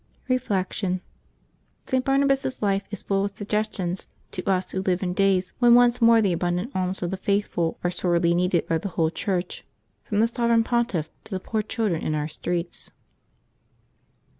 Reflection. — St. Barnabas's life is full of suggestions to us who live in days when once more the abundant alms of the faithful are sorely needed by the whole Church, from the Sovereign Pontiff to the poor children in our streets.